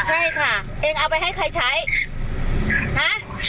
ใช่ค่ะเองเอาไปให้ใครใช้นะ